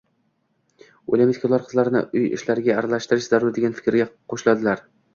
O‘ylaymizki, ular “qizlarni uy ishlariga aralashtirish zarur”, degan fikrga qo‘shiladilar.